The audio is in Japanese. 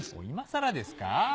今更ですか？